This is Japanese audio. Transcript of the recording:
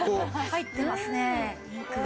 入ってますねインクが。